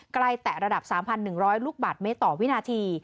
แตะระดับ๓๑๐๐ลูกบาทเมตรต่อวินาที